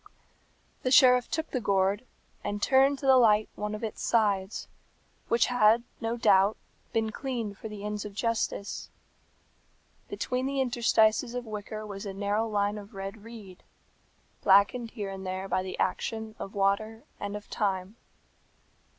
The sheriff took the gourd, and turned to the light one of its sides, which had, no doubt, been cleaned for the ends of justice. Between the interstices of wicker was a narrow line of red reed, blackened here and there by the action of water and of time.